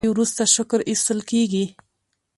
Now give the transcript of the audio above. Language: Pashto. د ډوډۍ وروسته شکر ایستل کیږي.